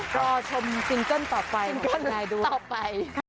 ก็ชมซิงก้อนต่อไปขอบคุณนายด้วย